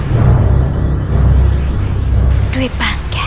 jangan lupa untuk berlangganan